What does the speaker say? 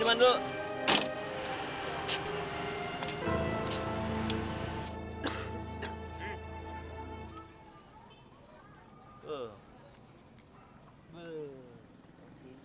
kau beli minuman wil